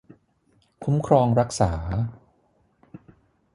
คุ้มครองรักษา